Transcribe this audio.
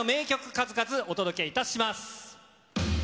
数々、お届けいたします。